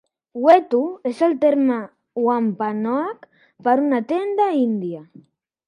"Wetu" és el terme wampanoag per a una tenda índia.